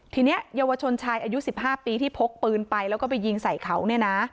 ทีนี้เยาวชนชายอายุ๑๕ปีที่พกปืนไปแล้วก็ไปยิงใส่เขาเนี่ยนะ